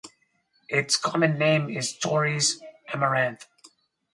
Its common name is Torrey's Amaranth.